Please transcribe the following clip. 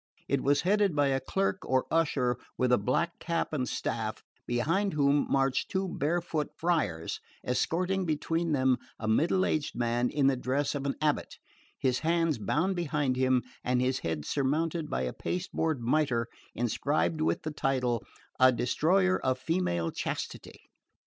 It was headed by a clerk or usher with a black cap and staff, behind whom marched two bare foot friars escorting between them a middle aged man in the dress of an abate, his hands bound behind him and his head surmounted by a paste board mitre inscribed with the title: A Destroyer of Female Chastity.